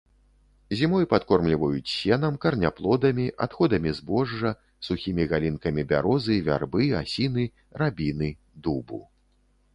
Зімой падкормліваюць сенам, караняплодамі, адходамі збожжа, сухімі галінкамі бярозы, вярбы, асіны, рабіны, дубу.